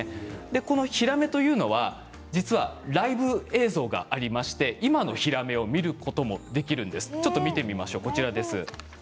このヒラメというのは実はライブ映像がありまして今のヒラメを見ることもできるんです。